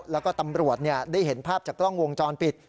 แล้วก็ตำรวจได้เห็นภาพจากกล้องวงจรปิด